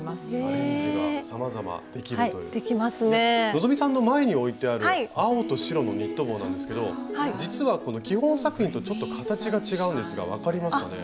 希さんの前に置いてある青と白のニット帽なんですけど実はこの基本作品とちょっと形が違うんですが分かりますかね？